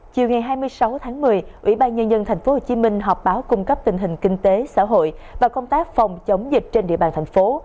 chiều ngày hai mươi sáu tháng một mươi ủy ban nhân dân tp hcm họp báo cung cấp tình hình kinh tế xã hội và công tác phòng chống dịch trên địa bàn thành phố